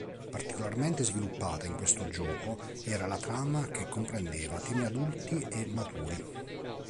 Particolarmente sviluppata in questo gioco era la trama che comprendeva temi adulti e maturi.